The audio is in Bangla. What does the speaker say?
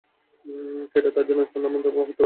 সেটা করার জন্য সান্থানামকে হত্যা করতে হবে।